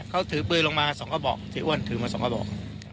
เขาถือปืนลงมา๒กระบอกเสียอ้วนถือมา๒กระบอก